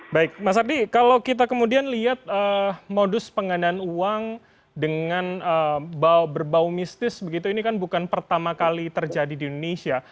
baik mas abdi kalau kita kemudian lihat modus penggandaan uang dengan berbau mistis begitu ini kan bukan pertama kali terjadi di indonesia